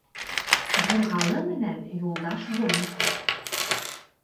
Юрғалы менән юлдаш булма